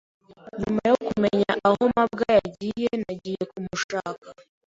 Nyuma yo kumenya aho mabwa yagiye, nagiye kumushaka.